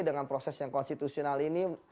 dengan proses yang konstitusional ini